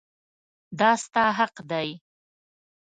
دا ستا حق دی.